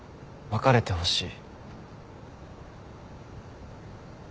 別れてほしい。